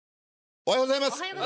おはようございます。